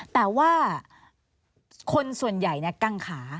แต่ว่าคนส่วนใหญ่กังขา